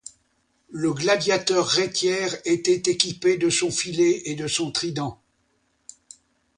Le gladiateur Rétiaire était équipé de son filet et de son trident.